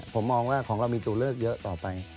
ผมมองว่าของเรามีตัวเลือกเยอะต่อไป